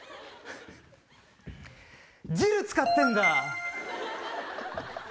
ジル使ってんだ！